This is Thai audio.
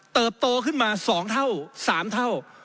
โตขึ้นมา๒เท่า๓เท่า